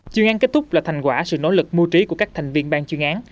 chuyên án kết thúc là thành quả sự nỗ lực mưu trí của các thành viên ban chuyên án